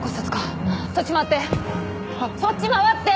そっち回って！